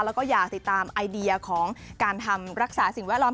แล้วก็อยากติดตามไอเดียของการทำรักษาสิ่งแวดล้อม